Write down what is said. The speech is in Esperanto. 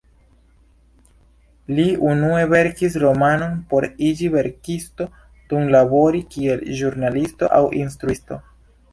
Li unue verkis romanon por iĝi verkisto dum labori kiel ĵurnalisto aŭ instruisto.